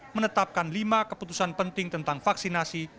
menetapkan lima keputusan penting tentang vaksinasi